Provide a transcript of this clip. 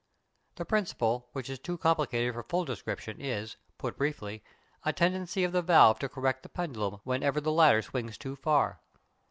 The principle, which is too complicated for full description, is, put briefly, a tendency of the valve to correct the pendulum whenever the latter swings too far.